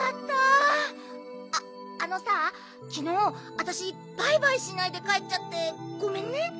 あっあのさきのうわたしバイバイしないでかえっちゃってごめんね。